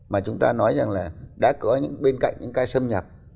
mà chúng ta nói rằng là đã có bên cạnh những cái xâm nhập